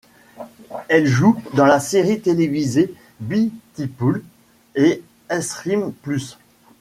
Elle joue dans la série télévisée Be Tipul et Esrim plus.